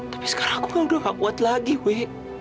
tapi sekarang aku kan udah nggak kuat lagi wi